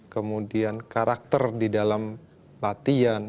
kemudian karakter di dalam latihan